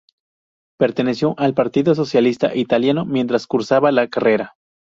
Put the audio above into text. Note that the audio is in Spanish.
Perteneció al Partido Socialista Italiano mientras cursaba la carrera.